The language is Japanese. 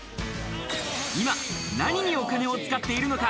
今、何にお金を使っているのか？